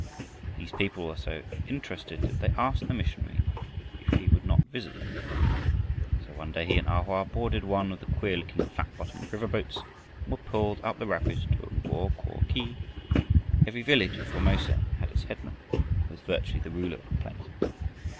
These people were so interested that they asked the missionary if he would not visit them. So one day he and A Hoa boarded one of the queer looking flat bottomed river boats and were pulled up the rapids to Go ko khi. Every village in Formosa had its headman, who is virtually the ruler of the place.